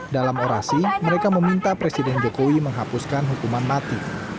dalam orasi mereka meminta presiden jokowi menghapuskan hukuman mati